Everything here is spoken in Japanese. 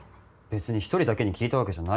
別に１人だけに聞いたわけじゃないよ。